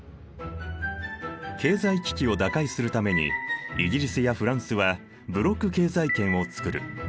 経済危機を打開するためにイギリスやフランスはブロック経済圏を作る。